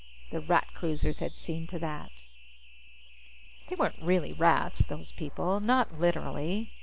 The Rat cruisers had seen to that. They weren't really rats, those people. Not literally.